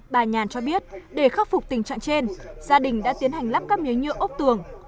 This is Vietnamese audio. bà nhàn cho biết để khắc phục tình trạng trên gia đình đã tiến hành lắp cắp mía nhựa ốc tường